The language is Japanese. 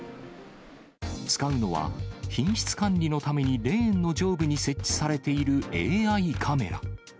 使うのは、品質管理のためにレーンの上部に設置されているＡＩカメラ。